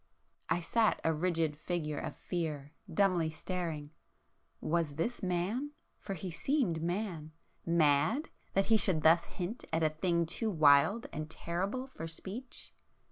I sat a rigid figure of fear, dumbly staring, ... was this man, for he seemed man, mad that he should thus hint at a thing too wild and terrible for speech?